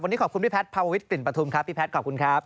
วันนี้ขอบคุณพี่แพทย์ภาววิทกลิ่นประทุมครับพี่แพทย์ขอบคุณครับ